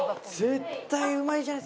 絶対うまいじゃないですか！